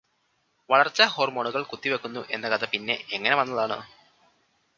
വളർച്ചാ ഹോർമോണുകൾ കുത്തിവെക്കുന്നു എന്ന കഥ പിന്നെ എങ്ങനെ വന്നതാണ്?